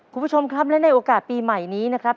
คุณผู้ชมครับและในโอกาสปีใหม่นี้นะครับ